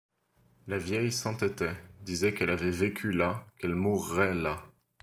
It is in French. La vieille s’entêtait, disait qu’elle avait vécu là, qu’elle mourrait là.